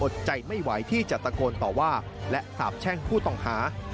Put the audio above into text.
ใจไม่ไหวที่จะตะโกนต่อว่าและสาบแช่งผู้ต้องหา